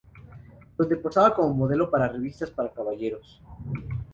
Donde posaba como modelo para revistas para caballeros.